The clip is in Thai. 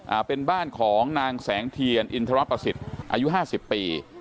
อ่าเป็นบ้านของนางแสงเทียนอินทรประสิทธิ์อายุห้าสิบปี